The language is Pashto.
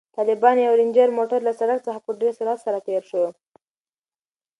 د طالبانو یو رنجر موټر له سړک څخه په ډېر سرعت سره تېر شو.